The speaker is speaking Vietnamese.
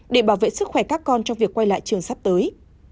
để bảo vệ sức khỏe các con trong việc quay lại trường sắp tới